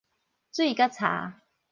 水佮柴